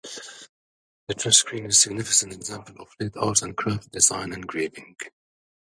The church screen is a significant example of late Arts-and-Crafts design and carving.